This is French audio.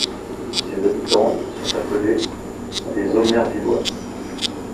Ses habitants sont appelés les Omervillois.